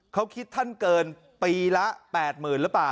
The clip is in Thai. เขาคิดท่านเกินปีละ๘๐๐๐หรือเปล่า